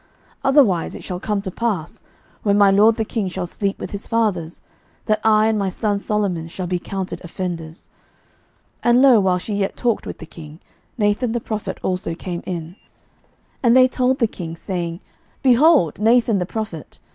11:001:021 Otherwise it shall come to pass, when my lord the king shall sleep with his fathers, that I and my son Solomon shall be counted offenders. 11:001:022 And, lo, while she yet talked with the king, Nathan the prophet also came in. 11:001:023 And they told the king, saying, Behold Nathan the prophet.